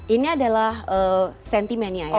ini adalah sentimennya ya